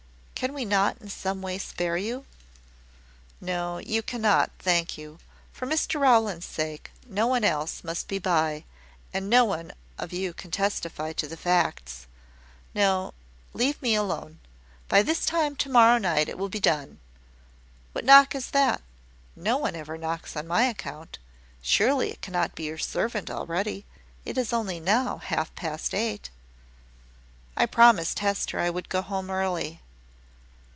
Can we not in some way spare you?" "No, you cannot, thank you. For Mr Rowland's sake, no one must be by; and none of you can testify to the facts. No; leave me alone. By this time to morrow night it will be done. What knock is that? No one ever knocks on my account. Surely it cannot be your servant already. It is only now half past eight." "I promised Hester I would go home early."